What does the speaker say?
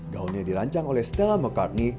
gaunnya dirancang oleh stella mccartney